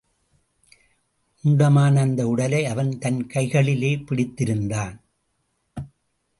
முண்டமான அந்த உடலை அவன் தன் கைகளிலே பிடித்திருந்தான்.